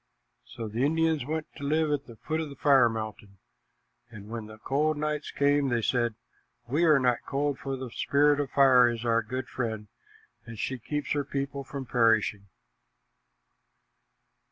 So the Indians went to live at the foot of the fire mountain, and when the cold nights came, they said, "We are not cold, for the Spirit of Fire is our good friend, and she keeps her people from perishing."